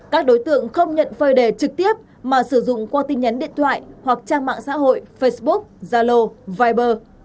các đối tượng không nhận phơi đề trực tiếp mà sử dụng qua tin nhắn điện thoại hoặc trang mạng xã hội facebook zalo viber